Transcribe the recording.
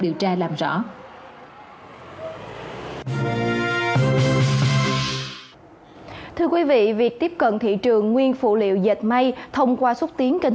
để làm rõ thưa quý vị việc tiếp cận thị trường nguyên phụ liệu dệt may thông qua xuất tiến kênh